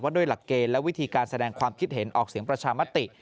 ด้วยหลักเกณฑ์และวิธีการแสดงความคิดเห็นออกเสียงประชามติ